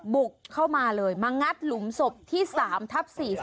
บุกเข้ามาเลยมางัดหลุมศพที่๓ทับ๔๒